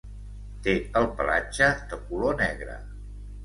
Té el pelatge de color negre.